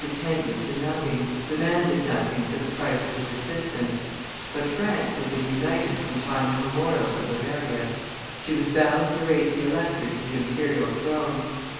pretended to nothing, demanded nothing for the price of his assistance; but France had been united from time immemorial to Bavaria: she was bound to raise the elector to the imperial throne.